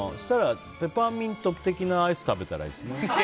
ペパーミント的なアイス食べたらいいですね。